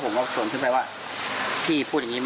แกออกมาห้ามด้วยว่าเขาว่าพวกหนูใช่ไหม